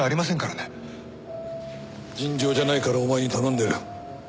尋常じゃないからお前に頼んでる。